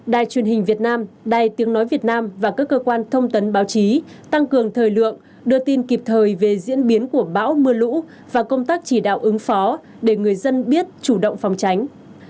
đài truyền hình việt nam đài tiếng nói việt nam và các cơ quan thông tấn báo chí tăng cường thời lượng đưa tin kịp thời về diễn biến của bão mưa lũ và công tác chỉ đạo ứng phó để người dân biết chủ động phòng tránh